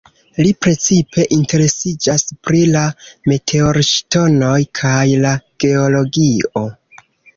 Li precipe interesiĝas pri la meteorŝtonoj kaj la geologio.